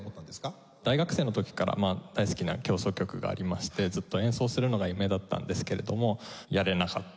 大学生の時から大好きな協奏曲がありましてずっと演奏するのが夢だったんですけれどもやれなかった